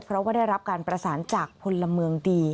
เพราะว่าได้รับการประสานจากพลเมืองดี